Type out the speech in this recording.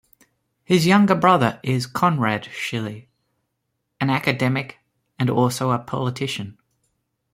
His younger brother is Konrad Schily, an academic and also a politician.